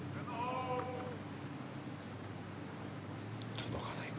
届かないか。